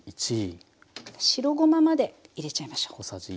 白ごままで入れちゃいましょう。